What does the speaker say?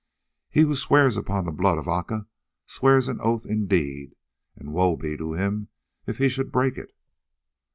He who swears upon the blood of Aca swears an oath indeed, and woe be to him if he should break it."